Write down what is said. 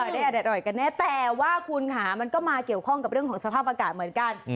ได้อร่อยกันแน่แต่ว่าคุณค่ะมันก็มาเกี่ยวข้องกับเรื่องของสภาพอากาศเหมือนกัน